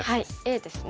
Ａですね。